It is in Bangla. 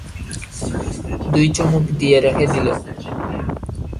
দুই চুমুক দিয়ে রেখে দিল।